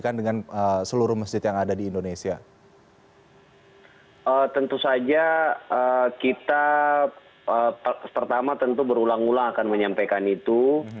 tentu saja kita pertama tentu berulang ulang akan menyampaikan itu